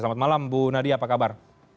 selamat malam bu nadia apa kabar